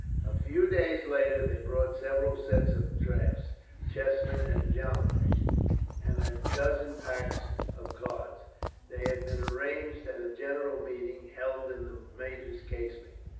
A few days later they bought several sets of draughts, chessmen, and dominoes, and a dozen packs of cards. This had been arranged at a general meeting, held in the major's casemate.